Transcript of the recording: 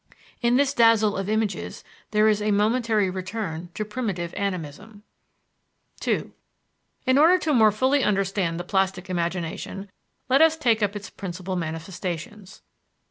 In this dazzle of images there is a momentary return to primitive animism. II In order to more fully understand the plastic imagination, let us take up its principal manifestations.